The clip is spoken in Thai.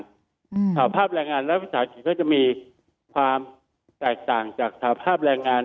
สาธารณ์ภาพแรงงานและวิสาหกิจก็จะมีความแตกต่างจากสาธารณ์ภาพแรงงาน